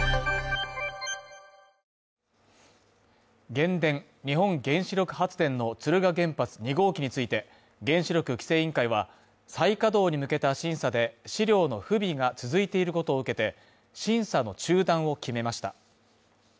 原電＝日本原子力発電の敦賀原発２号機について原子力規制委員会は再稼働に向けた審査で、資料の不備が続いていることを受けて、審査の中断を決めました。